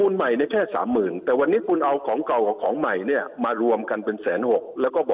นี่คือปัญหาครับ